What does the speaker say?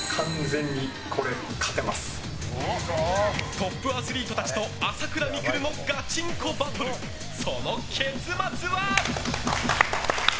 トップアスリートたちと朝倉未来のガチンコバトルその結末は？